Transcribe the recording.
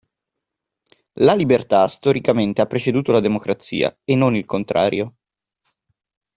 La libertà storicamente ha preceduto la democrazia e non il contrario.